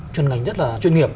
chuyên ngành rất là chuyên nghiệp